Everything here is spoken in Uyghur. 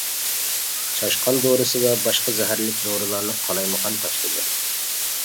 چاشقان دورىسى ۋە باشقا زەھەرلىك دورىلارنى قالايمىقان تاشلىدى.